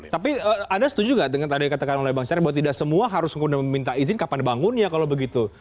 tapi ada setuju gak dengan tadi yang dikatakan oleh bang syari bahwa tidak semua harus meminta izin kapan bangunnya kalau begitu